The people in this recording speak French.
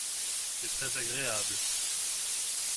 C’est très agréable.